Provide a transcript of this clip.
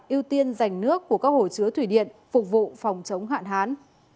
ưu tiên dành nước của các hồ chứa thủy điện phục vụ phòng chống hạn hán